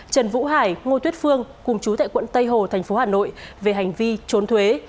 trần vũ hải ngô tuyết phương cùng chú tại quận tây hồ thành phố hà nội về hành vi trốn thuế